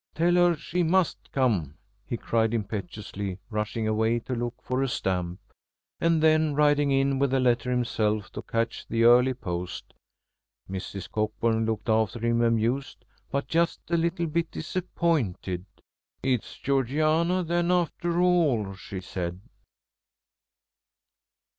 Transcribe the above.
"Tell her she must come!" he cried impetuously, rushing away to look for a stamp, and then riding in with the letter himself to catch the early post. Mrs. Cockburn looked after him amused, but just a little bit disappointed. "It's Georgiana then, after all," she said.